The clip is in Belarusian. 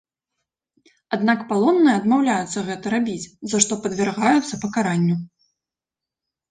Аднак палонныя адмаўляюцца гэта рабіць, за што падвяргаюцца пакаранню.